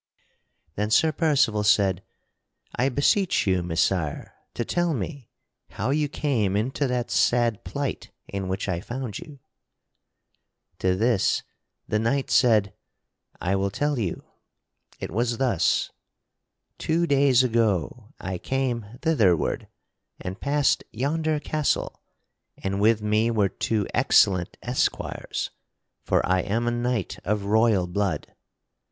Then Sir Percival said: "I beseech you, Messire, to tell me how you came into that sad plight in which I found you." [Sidenote: The knight telleth his story] To this the knight said: "I will tell you; it was thus: Two days ago I came thitherward and past yonder castle, and with me were two excellent esquires for I am a knight of royal blood.